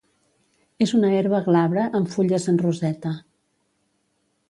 És una herba glabra amb fulles en roseta.